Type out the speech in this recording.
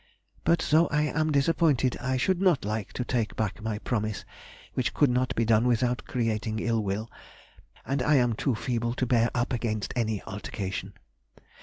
But though I am disappointed, I should not like to take back my promise, which could not be done without creating ill will, and I am too feeble to bear up against any altercation.